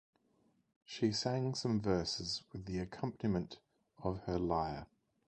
She sang some verses with the accompaniment of her lyre.